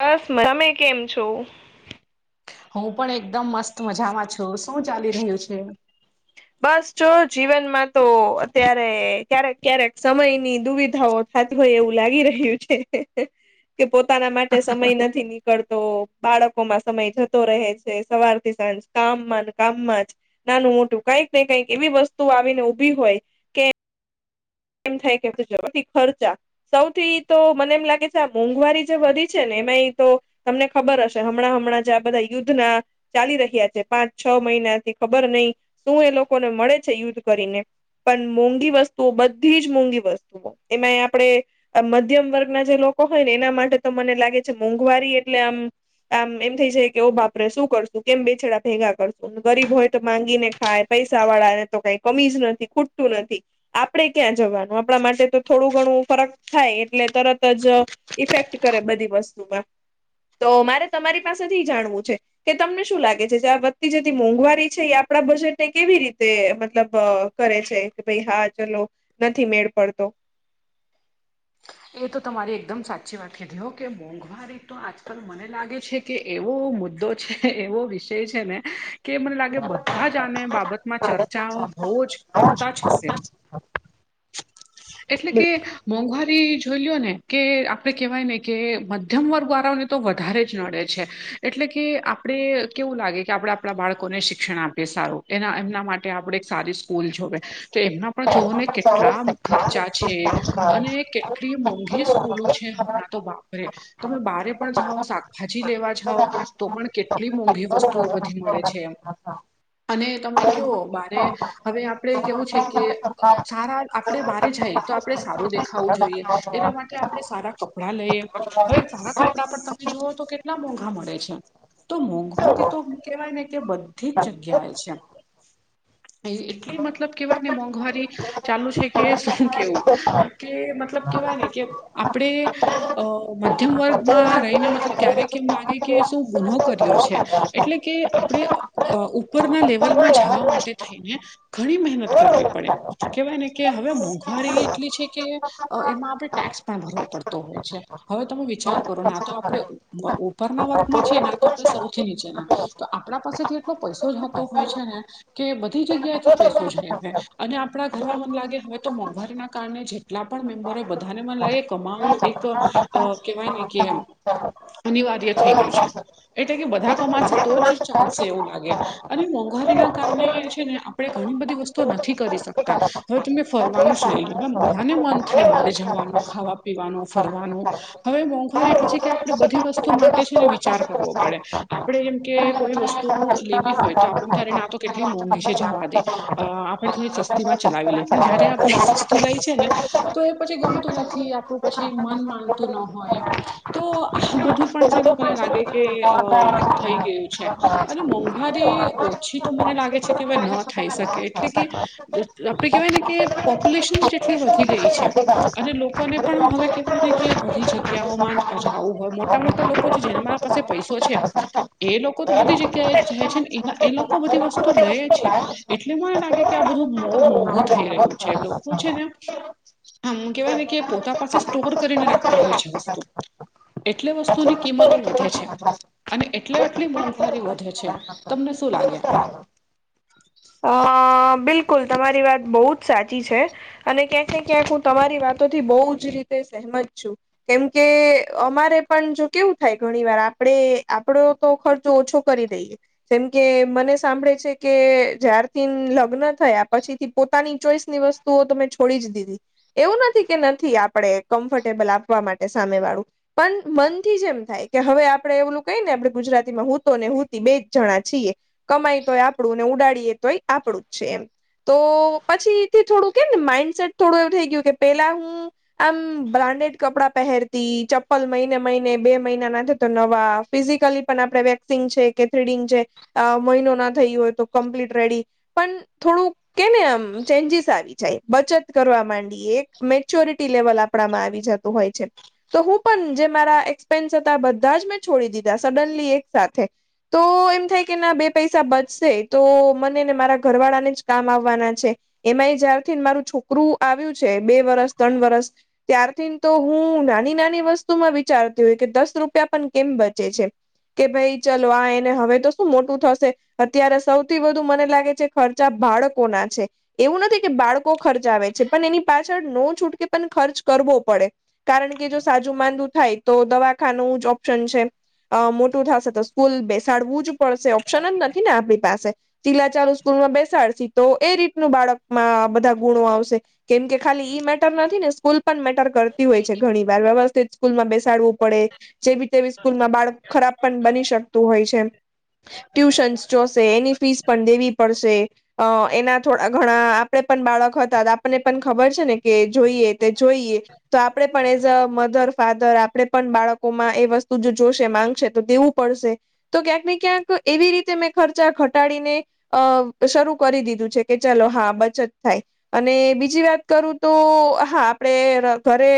બસ મજા-તમે કેમ છો? હું પણ એકદમ મસ્ત મજામાં છું. શું ચાલી રહ્યું છે? બસ, જો જીવનમાં તો અત્યારે ક્યારેક-ક્યારેક સમયની દુવિધાઓ થાતું હોય એવું લાગી રહ્યું છે. હે-હે કે પોતાના માટે સમય નથી ની નીકળતો બાળકોમાં સમય જતો રહે છે. સવારથી સાંજ કામમાં ન કામમાં જ. નાનું મોટું કઈક ને કેઈક એવી વસ્તુ આવીને ઉભી હોય. એમ થાય કે જ-જવાથી ખર્ચા. સૌથી તો મને એમ લાગે છે આ મોંઘવારી જે વધી છે ને એમાં એ તો તમને ખબર હશે હમણાં-હમણાં જ આ બધા યુદ્ધના ચાલી રહ્યા છે પાંચ છ મહિનાથી ખબર નઈ શું એ લોકોને મળે છે યુદ્ધ કરીને. પણ મોંઘી વસ્તુઓ બધી જ મોંઘી વસ્તુઓ. એમાંય આપડે આ મધ્યમ વર્ગના જે લોકો હોય ને એના માટે તો મને લાગે છે મોંઘવારી એટલે આમ આમ એમ થઇ જય કે ઓ બાપરે શું કરશું? કેમ બે છેડા ભેગા કરશું? ગરીબ હોય તો માંગી ને ખાય. પૈસા વાળાએ તો કઈ કમી જ નથી ખૂટતું નથી. આપણે ક્યાં જવાનું આપણા માટે તો થોડું ઘણું ફરક થાય એટલે તરત જ-અ, ઈફેક્ટ કરે બધી વસ્તુમાં. તો મારે તમારી પાસેથી જાણવું છે. કે તમને શું લાગે છે જે આ વધતી જતી મોંઘવારી છે યે આપણા બજેટને કેવી રીતે મતલબ અ કરે છે કે ભઈ હા ચલો, નથી મેળ પડતો. એ તો તમારી એકદમ સાચી વાત કીધી હો કે મોંઘવારી તો આજકલ મને લાગે છે. કે એવો મુદ્દો છે એવો વિષય છે ને. કે મન લાગ્યું બદ્ધા જ આને બાબતમાં ચર્ચા બઉ જ કરતા જ હશે. હ. [unintelligible] એટલે કે, મોંઘવાર ઝોલ્યો ને કે આપે કેવાય ને કે મધ્યમ વર્ગ વાળાને તો વધારે જ નડે છે. એટલે કે આપડે કેવું લાગે કે આપડા આપડા બાળકોને શિક્ષણ આપીએ સારું એના એમના માટે આપડે એક સારી સ કૂલ ઝોવે, તો એમના પણ ઝોવોને કેટલા ખર્ચા છે અને એટલી મોંઘી સ્કૂલો છે હમણાં તો બાપરે તમે બારે, પણ ઝાઓ સાક્ હજી લેવા ઝાવ, તો પણ કેટલી મોંઘી વસ્તુઓ બધી મળે છે એમ. અને તમે કેઓ મારે, હવે આપડે કેવું છે કે અ સારા ર આપડે બાહરે ઝાય તો આપણે સારું દેખાવું જોઈએ, એના મા કે આપણે સારા કપડાં લઈએ હવે સારા કપડાં પણ તમે જુઓ તો કેટલા મોંઘા મળે છે. તો મોંઘવારી તો કેવાય ને કે બદ્ ધી જ જગ્યાએ છે, એ-એટલી મતલબ કેવાય ને મોંઘવારી ચાલુ છે કે શું કેવું, કે મતલબ કેવાય ને કે આપડે અ મધ્યમ વર્ગમાં રહીને મતલબ ક્યારે કએમ લાગે કે શું ગુનો કર્યો છે, એટલે કે આપણે ઉપરના લેવલમાં જવા માટે થઈને. ઘણી મહેનત કરવી પડે, કેહેવાય ને કે હવે મોંઘવારી એટલી છે. કે એમાં આપડણે ટેક્સ પણ ભરવો પડતો હોય છે. હવે તમે વિચાર કરો ના તો આપણે ઉપરના વર્ગમાં છે ના તો આપણે સૌથી નીચેના. તો આપણા પાસેથી એટલો પૈસો જતો હોય છે ને. કે બધી જગ્યાથી પૈસો જાય, હ અને આપણા ઘરમાં મન લાગે હવે તો મોંઘવારીના કારણે જે એટલા પણ મેમ્બરો બધાને મને લાગ કમાવું એક, કેહેવાય ને કે અનિવાર્ય થઈ ગયું છે, એટલે કે બધા કમાશે તો જ ચાલશે એવું લાગે. અને મોંઘવારીના કારણે છે ને આપણે ઘણી બધી વસ્તુઓ નથી કરી શકતા. હવે તમે ફરવાનું જ લઈ લ પણ બધાને મન થાય બારે જવાનું ખાવા પીવાનું ફરવાનું. હવે મોંઘવારી એટલે છે કે આપણે બધી વસ્તુ માટે છે ને વિચાર કરવો પડે, આપડે જેમ કે કોઈ વસ્તુ લેવી હોય તો આપ ત્યારે તો કેટલી મોંઘી છે જવા દે, આપણે થોડી માં ચલાવી લે પણ જયારે આપણે વસ્તું લઈ છે ને, તો એ પછી ગમતું નથી આપણું પછી મન માનતું ન હોય. તો આ બધું પણ છેને મને લાગે કે અ થઈ ગયું છે. અને મોંઘવારી ઓછી તો મને લાગે છે કે હવે ન થઈ શકે, એટલે કે આપડે કેહેવાય ને કે પોપ્યુલેશન જેટલી વધી ગઈ છે. અને લોકોને પણ હવે કેહેવાય ને કે બધી જગ્યાઓમાં જવું હોય મોટા મોટા લોકો છે જેમાં પાસે પૈસો છે. એ લોકો તો બધી જગ્યાએ જાય છે ને એના એ લોકો બધી વસ્તુ લએ છે. એટલે મને લાગે કે આ બધું બોઉ મોંઘું થઈ રહ્યું છે, લોકો છે ને આમ કેવાય ને કે પોતા પાસે સ્ટોર કરીને રાખતા હોય છે વસ્તુ. એટલે વસ્તુની કિંમતો વધે છે. અને એટલે આટલી મોંઘવારી વધે છે, તમને શું લાગે? હા બિલકુલ, તમારી વાત બહુજ સાચી છે. અને ક્યાંક ને ક્યાંક હું તમારી વાતો થી બહુ જ રીતે સહમત છું. કેમકે અમારે પણ જો કેવું થાય ઘણી વાર આપડે આપડો. તો ખર્ચો ઓછો કરી દઈએ, જેમકે મને સાંભળે છે કે જ્યારથી લગ્ન થયા પછીથી પોતાની ચોઈસ ની વસ્તુઓ તો મે છોડી જ દીધી. એવું નથી કે નથી આપડે કમ્ફર્ટેબલ આપવા માટે સામે વાળું. પણ મનથી જ એમ થાય, કે હવે આપડે એવલું કઈ ને આપણે ગુજરાતીમાં હું તો ને હુંતી બે જ જણા છીએ. કમાય તોય આપડુ ને ઉડાડીએ તોય આપડુજ છે એમ. તો પછીથી થોડું કે ને માઈન્ડસેટ થોડું એવું થઈ ગયું કે, પેલા હું આમ બ્રાન્ડેડ કપડાં પહેરતી, ચપ્પલ મહિને મહિને બે મહિના ના થતો નવા. ફિઝિકલી પણ આપણે વેક્સિંગ છે કે થ્રીડિંગ છે અ મહિનો ના થયુ હોય તો કમ્પ્લીટ રેડી પણ થોડું કેને આમ ચેન્જીસ આવી જાય, બચત કરવા માંડીએ, એક મેચ્યોરિટી લેવલ આપ આપડામાં આવી જતું હોય છે. તો હું પણ જે મારા એક્સપેન્સ હતા બધા જ મેં છોડી દીધા સડનલી એક સાથે. તો એમ થાય કે ના બે પૈસા બચશે, તો મને ને મારા ઘરવાળા ને કામ આવવાના છે, એમાંય જ્યારથી મારું છોકરું આવ્યું છે, બે વરસ ત્રણ વરસ ત્યારથીન તો હું નાની નાની વસ્તુમાં વિચારતી હોય, કે દસ રૂપિયા પણ કેમ બચે છે. કે ભાઈ ચલો આ એને હવે તો શું મોટું થશે અત્યારે સૌથી વધુ મને લાગે છે ખર્ બાળકો ના છે એવું નથી કે બાળકો ખર્ચાવે છે, પણ એની પાછળ ન છૂટકે પણ ખર્ચ કરવો પડે. કારણ કે જો સાજું માંદું થાય તો દવાખાનું જ ઓપ્શન છે. અ મોટું થશે તો સ્કૂલ બેસાડવું જ પડશે, ઓપ્શન જ નથી ને આપડી પાસે, ચીલાચાલુ સ્કૂલ માં બેસાડસી તો તો એ રીતનું બાળકમાં બધા ગુણો આવશે, કેમ કે ખાલી ઈ મેટર નથી ને સ્કૂલ પણ મેટર કરતી હોય છે, ઘણી વાર વ્યવસ્થિત સ્કૂલ માં બે સાડવું પડે, જેવીતેવી સ્કૂલમાં બાળક ખરાબ પણ બની શકતું હોય છે, ટ્યુશન્સ જોશે એની ફીસ પણ દેવી પડશે. અ એના થોડા ઘણા આપડે પણ બાળક હતા, તો આપણને પણ ખબર છે ને કે જોઈએ તે જોઈએ.. તો આપણે પણ એઝ અ મધર ફાધર આપણે પણ બાળકોમાં એ વસ્તુ જો જોશે માંગશે તો તેવું પડશે, તો ક્યાંકને ક્યાંક એવી રીતે મેં ખર્ચા ઘટાડીને અ તો શરૂ કરી દીધું છે, કે ચાલો હા બચત થાય. અને બીજી વાત કરું તો, હા આપડે ર ઘરે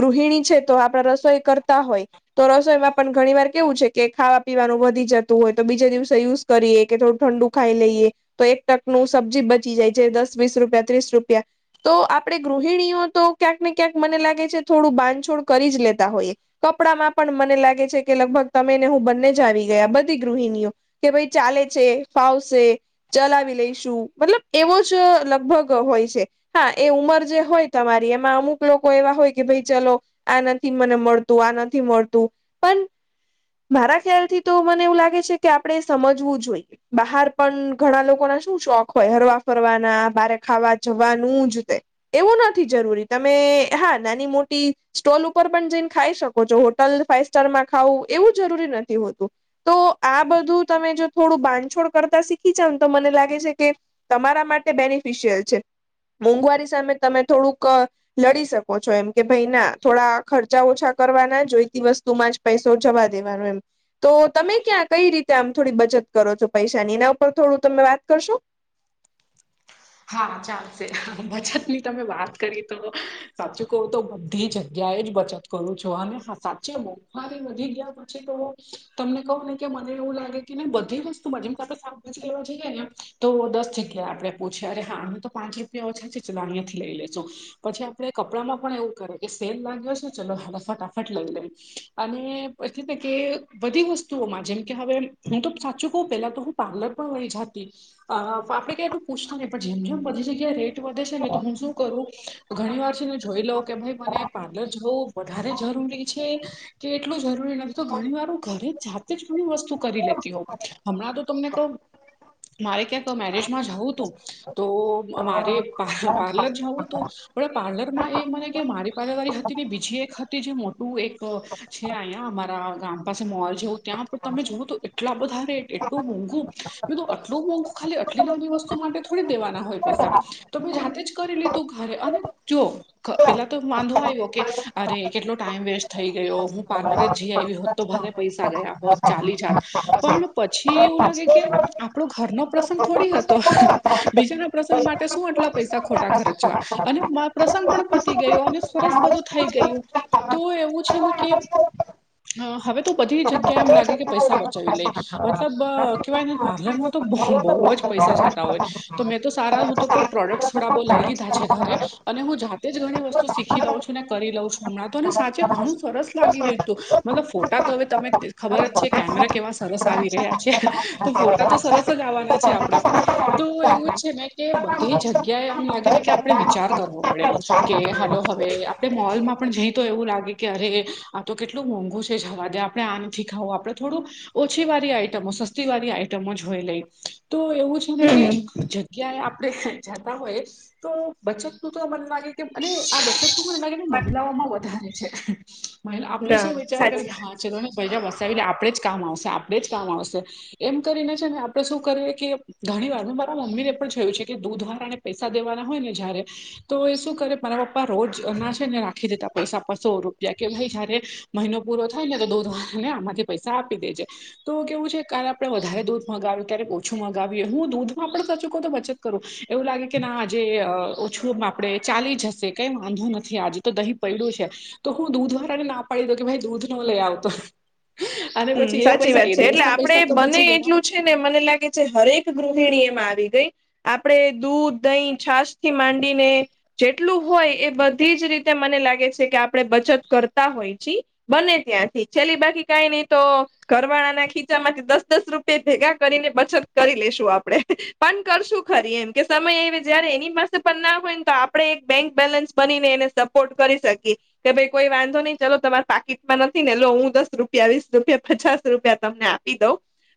ગૃહિણી છે તો આપડે રસોઈ કરતા હોય. તો રસોઈમાં પણ ઘણી વાર કેવું છે, કે ખાવા પીવાનું વધી જતું હોય, તો બીજે દિવસે યુઝ- કરીએ, કે થોડું ઠંડુ ખાઈ લઈએ. તો એક તક નું સબ્જી બચી જાય છે, દસ વીસ રૂપિયા ત્રીસ રૂપિયા તો આપડે ગૃહિણીઓ તો ક્યાંક ને ક્યાંક મને લાગે છે, થોડું બાંધછોડ કરી જ લેતા હોઈએ. કપડામાં પણ મને લાગે છે, કે લગભગ તમે ને હું બંને જ આવી ગયા, બધી ગૃહિણીઓ. કે ભાઈ ચાલે છે ફાવશે. ચલાવી લઈશું મતલબ એવો જ લગભગ હોય છે. હા એ ઉંમર જે હોય તમારી એમાં અમુક લોકો એવા હોય કે ભાઈ ચલો આ નથી મને મળતું આ નથી મળતું. પણ [inaudible] મારા ખ્યાલ થી તો મને એવું લાગે છે કે આપડણે સમજવું જોઈએ, બહાર પણ ઘણા લોકો ના શું શોખ હોય હરવા ફરવાના બારે ખાવા જવાનું જ તે. એવું નથી જરૂરી તમે હા નાની મોટી સ્ટોલ ઉપર પણ જઈને ખાઈ શકો. જો હોટલ ફાઈઇવ સ્ટારમાં ખાવું એવું જરૂરી નથી હોતું. તો આ બધું તમે જો થોડું બાંધછોડ કરતા શીખ ખચમ તો મને લાગે છે કે, તમારા માટે બેનિફિશિયલ છે. મોંઘવારી સામે તમે થોડુંક લડી શકો છો એમ કે ભાઈ ના થોડા ખર્ચા ઓછા કરવાના જોઈતી વસ્તુમાં જ પૈસો જવા દેવાનો એમ, તો તમે ક્યાં કઈ રીતે આમ થોડી બચત કરો છો પૈસાની ને પણ થોડું તમે વાત કરશો? હા ચાલશે હા બચત ની તમે વાત કરી તો સાચું કહો તો, બધી જગ્યાએ જ બચત કરું છો અને સાચે મોંખવારી વધી ગયા પછી તો, તમને કહું ને કે મને એવું લાગે બધી વસ્તુમાં જેમ કે આપણે સાાભાજી લવા જઈએ ને તો, દસ જગ્યાએ આપડે. પછે અરે હા અ તો પાંચ રૂપિયા ઓછા છે ચાલ અહીંયાથી લઈ લેશો. પછી આપડે કપડાંમાં પણ એવું કરે કે સેલ લાગ્યો છે ચલો હ ફટાફટ લઈ લઈ. અને એટ કે બધી વસ્તુઓમાં જેમકે હવે હું તો સાચું કહ પેલા તો પાર્લર પણ વહી જાતી, આપણે કું પૂછતા નહી પણ જેમ જેમ બધી જગ્યા રેટ વધે છે ને તો હું શું કરું, ઘણી વાર છેને જોઈ લઉં કે ભાઈ મને પાર્લર જવો વધારે જરૂરી છે. કે એટલું જરૂરી નથી તો ઘણી વાર હ ઘરે જાતે જ ઘણી વસ્તુ કરી લેતી હોઉ. હમણાં તો તમને કહ મારે ક્યાંક મેરેજમાં જવું. તો અ મારે પાર્લર જવું હતું. પણ પાર્લર માં એ મને કે મારી પાર્લર વાળી હતી ને બીજી એક હતી જે મોટું એક છે અહીંયા અમારા ગામ પાસે મોલ જેવું ત્યાં પણ તમે જોુવું તો એટલા બધા રેટ એટલું મોંઘું. બીધું આટું મોંઘું ખાલી આટલી નાની વસ્તુ માટે થોડી દેવાના હોય પૈસા, તો મે જાતે જ કરી લીધું ઘરે અને જો પેલા તો વાંધો આવ્યો કે, અરે કેટલો ટાઈમ વેસ્ટ થઈ ગયો હું પાર્લર જ જઈ આવી. હોત તો ભારે પૈસા ગયા હોત ચાલી જાત, પણ પછી એવું લાગે કે આપણો ઘરનો પ્રસંગ થોડી હતો. બીજાના પ્રસંગ માટે શું આટલા પૈસા ખોટા ખર્ચવા, અને પ્રસંગ પણ પતી ગયો અને સરસ બધું થઈ ગયું, તો એવું છે ને કે અ હવે તો બધી જગ્યા એમ લાગે કે પૈસા બચાવી લે. મતલબ કવાયના પાર્લર માં તો બહુ જ પૈસા જતા હોય, તો મેં તો સારા હું તો ક પ્રોડક્ટ્ થોડા બહુ લઈ લીધા છે ઘરે. અને હું જાતે જ ઘણી વસ્તુ શીખી લઉં છું ને કરી લઉં છું હમણાં તોને સાચે ઘણું સરસ લાગી રહતું. મતલબ ફોટા તો હવે તમે ખબર જ છે કેમેરા કેવા સરસ આવી રહ્યા છે. તો ફોટા તો સરસ જ ગાવાના છે આપડા. તો એવું જ છે ને કે બધી જગ્યાએ આમ લાગે ને કે આપણે વિચાર કરવો પડે. કે હાલો હવે આપડે મોલમાં પણ જઈ તો એવું લાગે કે અરે, આ તો કેટલું મોંઘું છે જવા દ્યા આપણે આના નથી ખાવું આપડે થોડું ઓછી વાળી આઈટમો સસ્તી વાળી આઈટમો જોઈ લઈ તો એવું શું ને કે જગ્યાએ આપણે જતા હોય તો બચતનું તો મને લાગે કે અરે આ બચતનું મને લાગે કે મહિલાઓમાં વધારે છે. મહિલા આપડે ના શું વિચાર કરી સાચી કે હા ચલો ને [unintelligible] વસાવીને આપણેે જ કામ આવશે આપણેે જ કામ આવશે એમ કરીને છે ને આપડે શું કરીએ કે ઘણી વાર મેં મારા મમ્મીને પણ જોયું છે કે દૂધ વારાને પૈસા દેવાના હોય ને જયારે તો એ શું કરે મારા પપ્પા રોજ ના છે ને રાખી દેતા પૈસા સો રૂપિયા કે ભાઈ જયારે મહિનો પૂરો થાય ને તો દોધ વારને આમાંથી પૈસા આપી દેજે. તો કેવું છે કારે આપણેે વધારે દૂધ મગાવ્યું ક્યારે ઓછું મંગાવીએ હું દૂધમાં પણ સાચું કો તો બચત કરું એવું લાગે કે ના આજે ઓછું આપડે ચાલી જશે કઈ વાંધો નથી આજે તો દહીં પયડુ છે. તો હું દૂધ વાળા ને ના પાડી દઉ કે ભાઈ દૂધ ન લે આવતો અને હમ્મ પછી એ સાચી પૈસા વાત એ છે એટલે દિવસના આપડે પૈસા તો બને બચી ગયા એટલું જ છે ને મને લાગે છે હરેક ગૃહિણી એમાં આવી ગઈ આપણેે દૂધ દહીં છાશ થી માંડીને જેટલું હોય એ બધી જ રીતે મને લાગે છે કે આપણે બચત કરતા હોય ચી બને ત્યાંથી છેલ્લી બાકી કઈ નઈ તો ઘરવાળા ના ખીચા માંથી દસ દસ રૂપિયા ભેગા કરીને બચત કરી લેશું આપડે. પણ કરશું ખરી એમ કે સમય એ જયારે એની પાસે પણ ના હોય ને તો આપણેે એક બેંક બેલેન્સ બનીને એને સપોર્ટ કરી શકીએ કે ભાઈ કોઈ વાંધો નહી ચાલો તમારા પાકીટમાં નથી ને લો હું દસ રૂપિયા વીસ રૂપિયા પચાસ રૂપિયા તમને આપી દઉ.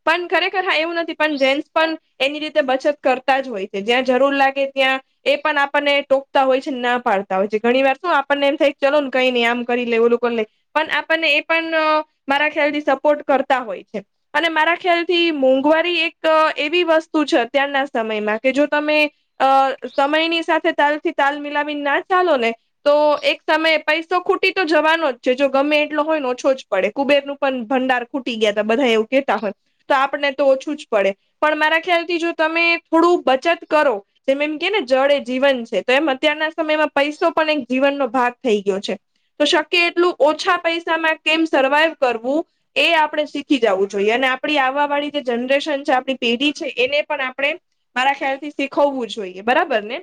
પણ ખરેખર હા એવું નથી પણ જેન્ટસ પણ એની રીતે બચત કરતા જ હોય છે જ્યાં જરૂર લાગે ત્યાં એ પણ આપણને ટોકતા હોય છે ના પાડતા હોય છે ઘણી વાર શું આપણને એમ થાય ચલો ને કઈ નઈ આમ કરી લેય ઓલું કરી લેય પણ આપણને એ પણ મારા ખ્યાલથી સપોર્ટ કરતા હોય છે. અને મારા ખ્યાલ થી મોંઘવારી એક એવી વસ્તુ છે અત્યારના સમયમાં કે જો તમે અ સમયની સાથે તાલ થી તાલ મિલાવી ના ચાલો ને તો એક સમયે પૈસો ખૂટી તો જવાનો જ છે જો ગમે એટલો હોય ને ઓછો જ પડે કુબેરનું પણ ભંડાર ખૂટી ગયા હતા બધા એવું કેતા હોય તો આપણને તો ઓછું જ પડે. પણ મારા ખ્યાલથી જો તમે થોડું બચત કરો જેમ એમ કે ને જળ એ જીવન છે તો એમ અત્યારના સમયમાં પૈસો પણ એક જીવનનો ભાગ થઈ ગયો છે. તો શક્ય એટલું ઓછા પૈસામાં કેમ સર્વાઈવ કરવું એ આપણે શીખી જવું જોઈએ અને આપણી આવા વાળી જે જનરેશન છે આપણી પેઢી છે એને પણ આપણે મારા ખ્યાલથી શીખવવું જોઈએ બરાબર ને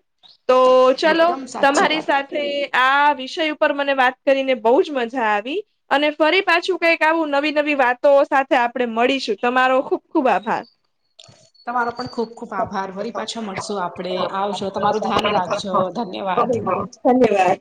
તો ચલો એકદમ સાચી તમારી વાત સાથે આ વિષય ઉપર મને વાત કરીને બહુ જ મજા આવી અને ફરી પાછું આવું નવી નવી વાતો સાથે આપણે મળીશું તમારો ખુબ ખુબ આભાર. તમારો પણ ખુબ ખુબ આભાર વરી પાછા મળશું આપડે આવજો તમારું ધ્યાન રાખજો. ધન્યવાદ તમે પણ ધન્યવાદ